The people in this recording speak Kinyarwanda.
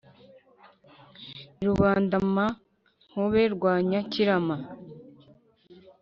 i rubandama-nkobe rwa nyakirama